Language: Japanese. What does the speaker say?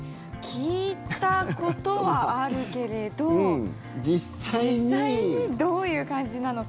聞いたことはあるけれど実際にどういう感じなのか。